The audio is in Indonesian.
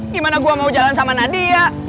gimana gue mau jalan sama nadia